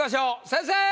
先生！